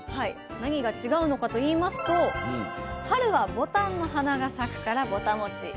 何が違うのかといいますと春は牡丹の花が咲くからぼたもち。